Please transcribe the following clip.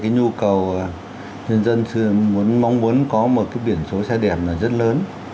nhu cầu nhân dân mong muốn có một biển số xe đẹp là rất lớn